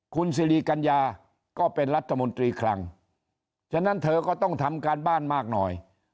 คุณสิริกัญญาก็เป็นรัฐมนตรีคลังฉะนั้นเธอก็ต้องทำการบ้านมากหน่อย